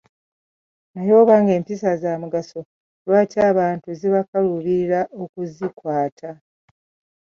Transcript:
Naye obanga empisa za mugaso lwaki abantu zibakaluubirira okuzikwata.